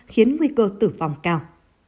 khiến nguy cơ tử vong cao